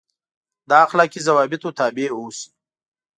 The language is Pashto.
دا اخلاقي ضوابطو تابع اوسي.